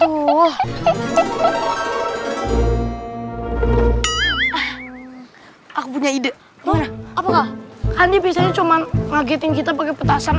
hai aku punya ide udah apa enggak kan jadi cuma ngagetin kita pakai petasan